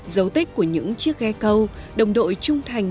dấu tích của những chiếc ghe câu đồng đội trung thành